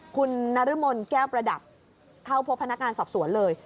คุณนรมนแก้วประดับเข้าพบพนักงานสอบสวนเลย